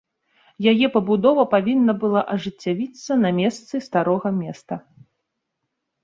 Яе пабудова павінна была ажыццявіцца на месцы старога места.